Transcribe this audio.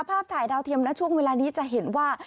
ภาพถ่ายดาวเทียมและช่วงเวลานี้จะเห็นว่า